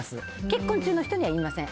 結婚中の人には言いません。